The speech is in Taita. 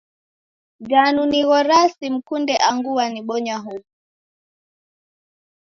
Danu nighoraa simkunde angu wanibonya huw'u?